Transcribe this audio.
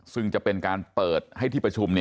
ซึ่งจะเป็นการเปิดให้ที่ประชุม